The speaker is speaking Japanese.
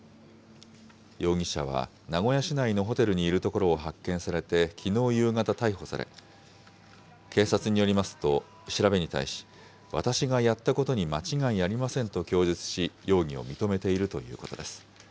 容疑者は名古屋市内のホテルにいるところを発見されて、きのう夕方逮捕され、警察によりますと、調べに対し、私がやったことに間違いありませんと供述し、容疑を認めているということです。